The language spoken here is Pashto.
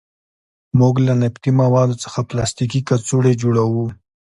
موږ له نفتي موادو څخه پلاستیکي کڅوړې جوړوو.